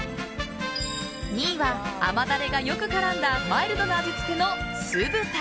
２位は、甘ダレがよく絡んだマイルドな味付けの酢豚。